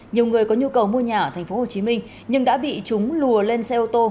nhiều người có nhu cầu mua nhà ở tp hcm nhưng đã bị chúng lùa lên xe ô tô